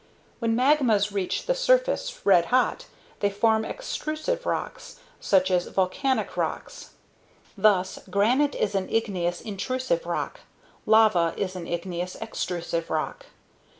When magmas reach the surface red hot, they form extrusive rocks, such as volcanic rocks. Thus, granite is an igneous, intrusive rock; lava is an igneous, extrusive rock.